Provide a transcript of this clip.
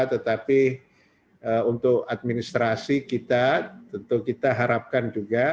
tetapi untuk administrasi kita tentu kita harapkan juga